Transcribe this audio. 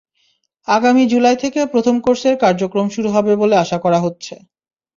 আগামী জুলাই থেকে প্রথম কোর্সের কার্যক্রম শুরু হবে বলে আশা করা হচ্ছে।